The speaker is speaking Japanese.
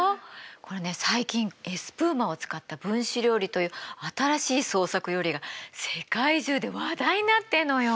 これね最近エスプーマを使った分子料理という新しい創作料理が世界中で話題になってるのよ。